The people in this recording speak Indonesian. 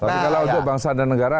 kalau itu bangsa dan negara